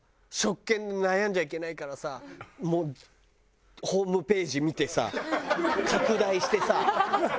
食券悩んじゃいけないからさもうホームページ見てさ拡大してさ